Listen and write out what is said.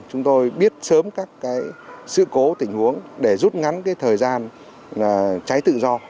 chúng tôi biết sớm các sự cố tình huống để rút ngắn thời gian cháy tự do